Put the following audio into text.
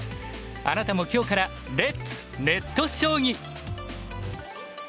あなたも今日からレッツネット将棋！